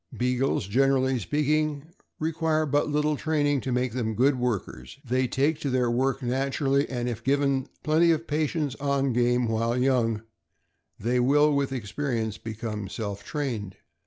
Beagles, generally speaking, require but little training to make them good workers. They take to their work nat urally, and if given plenty of practice on game while young, they will, with experience, become self trained.